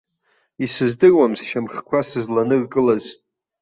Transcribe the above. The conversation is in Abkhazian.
Исыздыруам сшьамхқәа сызланыркылаз.